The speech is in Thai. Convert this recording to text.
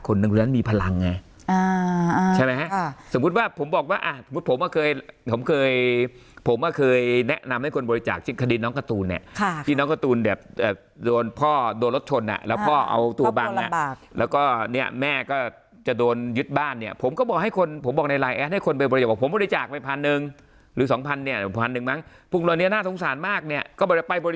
คนดังนั้นมีพลังไงอ่าใช่ไหมฮะอ่าสมมุติว่าผมบอกว่าอ่าสมมุติผมก็เคยผมเคยผมก็เคยแนะนำให้คนบริจาคที่คดีนน้องกระตูนเนี้ยค่ะที่น้องกระตูนแบบแบบโดนพ่อโดนรถชนอ่ะแล้วพ่อเอาตัวบังอ่ะพ่อโดนระบากแล้วก็เนี้ยแม่ก็จะโดนยึดบ้านเนี้ยผมก็บอกให้คนผมบอกในไลน์แอให้คนไปบริ